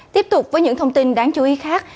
tiếp tục với những thông tin đáng chú ý khác